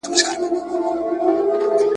پر بچو باندي په ساندو په ژړا سوه !.